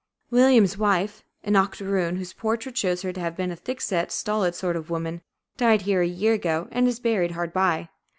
Williams's wife, an octoroon, whose portrait shows her to have been a thick set, stolid sort of woman, died here, a year ago, and is buried hard by.